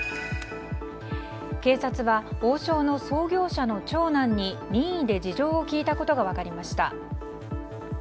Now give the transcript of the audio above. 警察は王将の創業者の長男に任意で事情を聴いたことが分かりました。